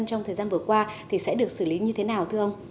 trong thời gian vừa qua thì sẽ được xử lý như thế nào thưa ông